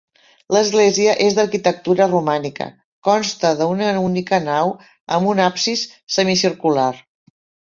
L'església és d'arquitectura romànica, consta d'una única nau amb un absis semicircular.